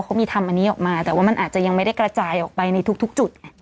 เขามีทำอันนี้ออกมาแต่ว่ามันอาจจะยังไม่ได้กระจายออกไปในทุกจุดไง